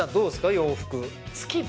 洋服